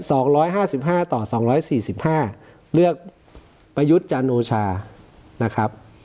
สองร้อยห้าสิบห้าต่อสองร้อยสี่สิบห้าเลือกประยุทธ์จันโอชานะครับ